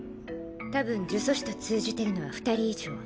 たぶん呪詛師と通じてるのは２人以上。